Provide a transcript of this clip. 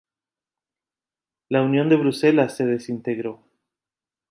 La Unión de Bruselas se desintegró.